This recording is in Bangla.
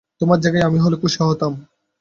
তোমার জায়গায় আমি হলে খুশি হতাম।